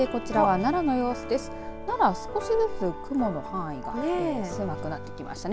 奈良は少しずつ雲の範囲が少なくなってきましたね。